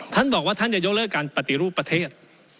ท่านบอกว่าท่านจะยกเลิกการปฏิรูปประเทศ